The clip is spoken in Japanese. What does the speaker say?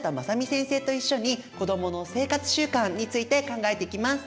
先生と一緒に子どもの生活習慣について考えていきます。